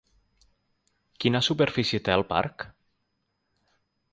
Quina superfície té el parc?